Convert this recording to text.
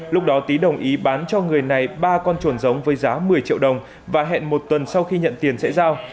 lúc đó tý đồng ý bán cho người này ba con chuồn giống với giá một mươi triệu đồng và hẹn một tuần sau khi nhận tiền sẽ giao